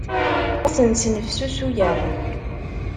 Ur ten-snefsusuyeɣ.